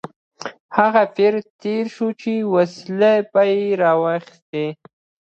هغه پیر تېر شو چې وسلې به یې راواخیستې.